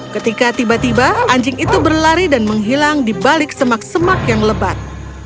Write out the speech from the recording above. ketika tiba tiba anjing itu berlari dan menghilang di balik semak semak yang lebat